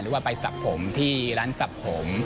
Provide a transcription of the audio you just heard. หรือว่าไปสระผมที่ร้านสระผม